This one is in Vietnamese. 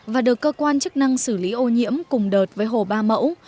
và được cơ quan chức năng xử lý ô nhiễm cùng đợt với hồ ba mẫu